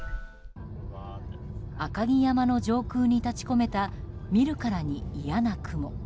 赤城山の上空に立ち込めた見るからに嫌な雲。